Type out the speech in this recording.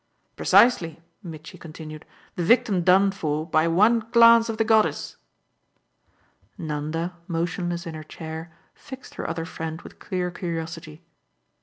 "Precisely," Mitchy continued; "the victim done for by one glance of the goddess!" Nanda, motionless in her chair, fixed her other friend with clear curiosity.